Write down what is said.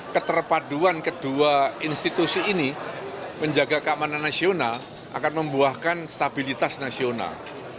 keterpaduan kedua institusi ini menjaga keamanan nasional akan membuahkan stabilitas nasional